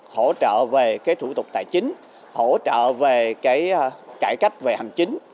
hỗ trợ về cái thủ tục tài chính hỗ trợ về cải cách về hành chính